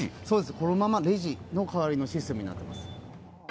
このままレジの代わりのシステムになってます。